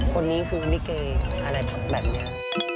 คนนี้คือลิเกอะไรแบบนี้